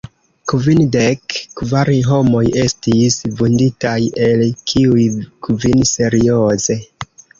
Kvindek kvar homoj estis vunditaj, el kiuj kvin serioze.